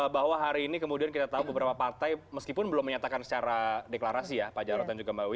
bahwa hari ini kemudian kita tahu beberapa partai meskipun belum menyatakan secara deklarasi ya pak jarod dan juga mbak wiwi